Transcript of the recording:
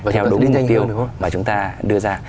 theo đúng mục tiêu mà chúng ta đưa ra